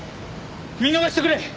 見逃してくれ！